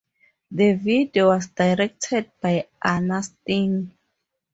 The video was directed by Ana Sting.